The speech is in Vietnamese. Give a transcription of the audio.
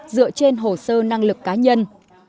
dựa trên hồ sơ năng lực cá nhân